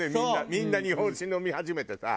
みんな日本酒飲み始めてさ。